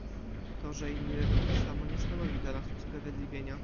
To, że inni robią to samo, nie stanowi dla nas usprawiedliwienia